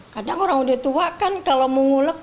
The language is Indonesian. kadang orang udah tua kan kalau mengulek